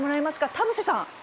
田臥さん。